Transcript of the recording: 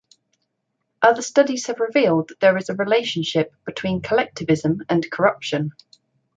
Other studies have revealed that there is a relationship between collectivism and corruption.